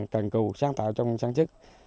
cần cụ sáng tạo trong sáng chức